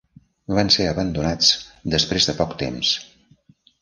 Van ser abandonats després de poc temps.